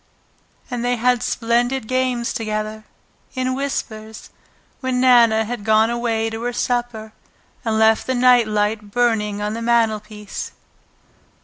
And they had splendid games together, in whispers, when Nana had gone away to her supper and left the night light burning on the mantelpiece.